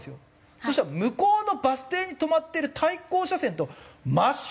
そしたら向こうのバス停に止まってる対向車線と真正面になるんですよ。